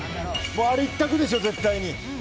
あれ一択でしょ、絶対に。